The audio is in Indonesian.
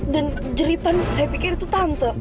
dan jeritan saya pikir itu tante